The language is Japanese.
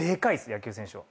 野球選手は。